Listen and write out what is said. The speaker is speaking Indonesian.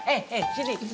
eh eh sini